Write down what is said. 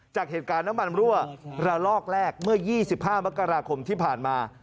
จากเหตุการณ์น้ำมันรั่วระลอกแรกเมื่อ๒๕มกราคมที่ผ่านมา